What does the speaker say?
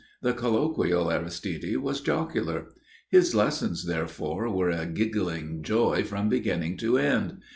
The colloquial Aristide was jocular. His lessons therefore were a giggling joy from beginning to end.